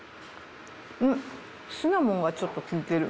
シナモンがちょっと効いてる。